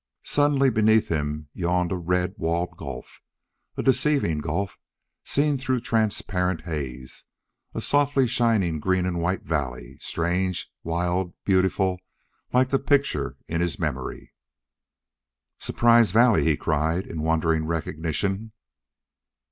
Suddenly beneath him yawned a red walled gulf, a deceiving gulf seen through transparent haze, a softly shining green and white valley, strange, wild, beautiful, like a picture in his memory. "Surprise Valley!" he cried, in wondering recognition.